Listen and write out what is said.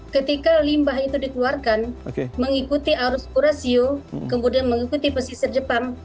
ketika limbah itu dikeluarkan mengikuti arus qurasio kemudian mengikuti pesisir jepang